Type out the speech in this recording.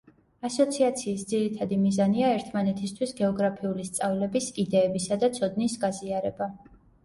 ასოციაციის ძირითადი მიზანია ერთმანეთისთვის გეოგრაფიული სწავლების, იდეებისა და ცოდნის გაზიარება.